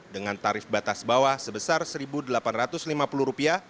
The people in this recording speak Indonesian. dengan tarif batas bawah sebesar rp satu delapan ratus lima puluh